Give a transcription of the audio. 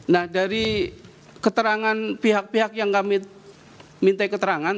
nah dari keterangan pihak pihak yang kami minta keterangan